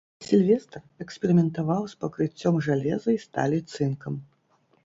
Сільвестр эксперыментаваў з пакрыццём жалеза і сталі цынкам.